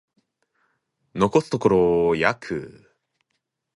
残すところ約